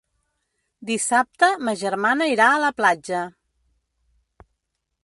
Dissabte ma germana irà a la platja.